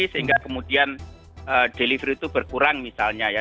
sehingga kemudian delivery itu berkurang misalnya ya